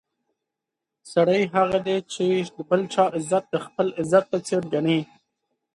سړی هغه دی چې د بل چا عزت د خپل عزت په څېر ګڼي.